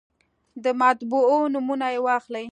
د مطبعو نومونه یې واخلئ.